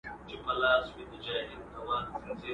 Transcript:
پر بګړۍ به وي زلمیو ګل ټومبلي.!